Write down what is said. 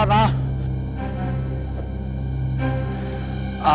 aku sedang mencari cat